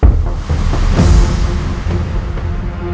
kayaknya tak adaassa